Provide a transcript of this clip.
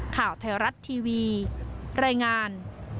ข่าวไทยรัฐทีวีรายงาน